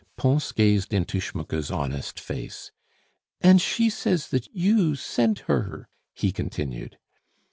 Pons gazed into Schmucke's honest face. "And she says that you sent her " he continued.